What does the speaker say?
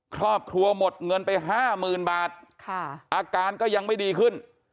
ครอบครัวหมดเงินไป๕๐๐๐บาทอาการก็ยังไม่ดีขึ้น